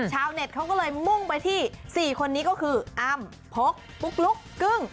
ชาวเน็ตเขาก็เลยมุ่งไปที่๔คนนี้ก็คืออ้ำพกปุ๊กลุ๊กกึ้ง